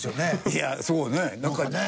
いやそうね。